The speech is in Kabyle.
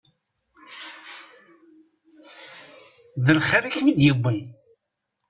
D lxir i ak-m-id-yewwin?